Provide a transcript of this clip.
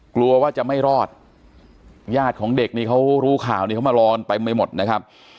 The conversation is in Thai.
กลัวว่าจะไม่รอดญาติของเด็กนี่เขารู้ข่าวนี้เขามารอกันเต็มไปหมดนะครับ